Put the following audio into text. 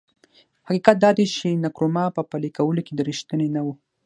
حقیقت دا دی چې نکرومه په پلي کولو کې رښتینی نه و.